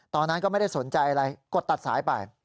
ตอนนั้นก็ไม่ได้สนใจอะไรกดตัดสายไป